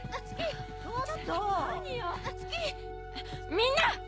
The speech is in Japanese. みんな！